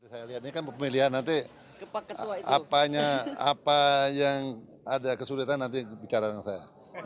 saya lihat ini kan pemilihan nanti apa yang ada kesulitan nanti bicara dengan saya